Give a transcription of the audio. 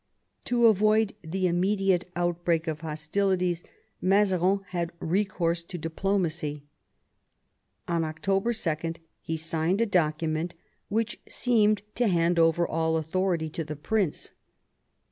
To avoid the immediate outbreak of hostilities, Mazarin had recourse to diplomacy. On October 2 he signed a document which seemed to hand over all authority to the prince.